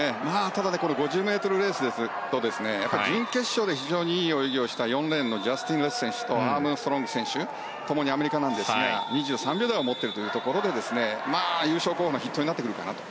ただこの５０ｍレースですと準決勝で非常にいい泳ぎをした４レーンのジャスティン・レス選手とアームストロング選手ともにアメリカなんですが２３秒台を持っているということで優勝候補の筆頭になってくるかなと。